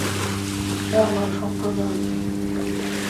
হে আমার সম্প্রদায়!